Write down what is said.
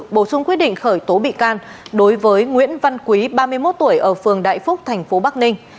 bổ sung quyết định khởi tố bị can đối với nguyễn văn quý ba mươi một tuổi ở phường đại phúc thành phố bắc ninh